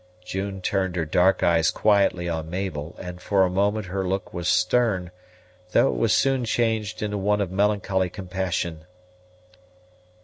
June turned her dark eyes quietly on Mabel; and for a moment her look was stern, though it was soon changed into one of melancholy compassion.